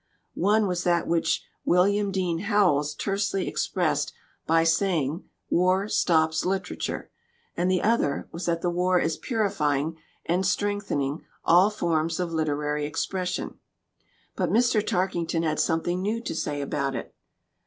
One was that which William Dean Howells tersely expressed by say ing: "War stops literature," and the other was that the war is purifying and strengthening all forms of literary expression. But Mr. Tarkington had something new to say about it.